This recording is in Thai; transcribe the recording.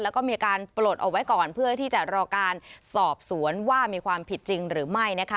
แล้วก็มีการปลดเอาไว้ก่อนเพื่อที่จะรอการสอบสวนว่ามีความผิดจริงหรือไม่นะคะ